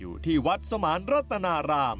อยู่ที่วัดสมานรัตนาราม